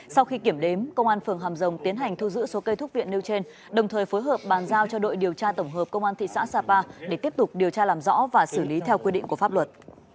sau khi kiểm đếm công an phường hàm rồng tiến hành thu giữ số cây thúc viện nêu trên đồng thời phối hợp bàn giao cho đội điều tra tổng hợp công an thị xã sapa để tiếp tục điều tra làm rõ và xử lý theo quy định của pháp luật